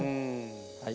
はい。